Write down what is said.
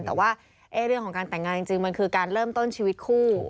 แต่ว่าเรื่องของการแต่งงานจริงมันคือการเริ่มต้นชีวิตคู่